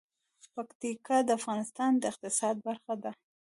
پکتیکا د افغانستان د اقتصاد برخه ده.